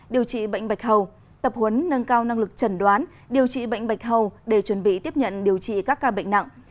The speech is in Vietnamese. điều trị bệnh bạch hầu tập huấn nâng cao năng lực trần đoán điều trị bệnh bạch hầu để chuẩn bị tiếp nhận điều trị các ca bệnh nặng